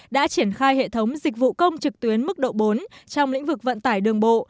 đã triển khai hệ thống dịch vụ công trực tuyến mức độ bốn trong lĩnh vực vận tải đường bộ